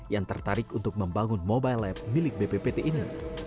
yang tertarik untuk membangun mobile lab milik bppt ini